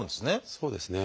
そうですね。